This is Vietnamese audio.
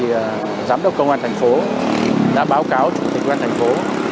thì giám đốc công an thành phố đã báo cáo chủ tịch quốc an thành phố